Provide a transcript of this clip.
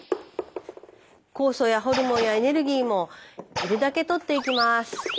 酵素やホルモンやエネルギーも要るだけ取っていきます。